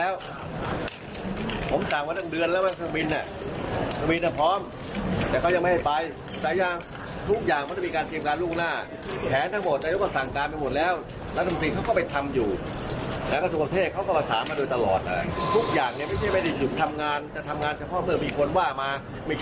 ว่ามามีใครแต่จะไม่ต้องแถลงทุกเครื่องต่อเวลา